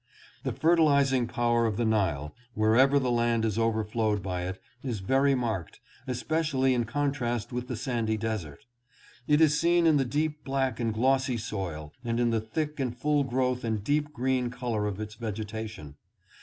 The fertilizing power of the Nile, wherever the land is overflowed by it, is very marked, especially in con trast with the sandy desert. It is seen in the deep black and glossy soil, and in the thick and full growth and deep green color of its vegetation.